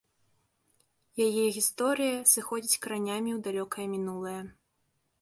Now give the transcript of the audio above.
Яе гісторыя сыходзіць каранямі ў далёкае мінулае.